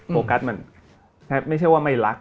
โฟกัสมันไม่ใช่ว่าไม่รัก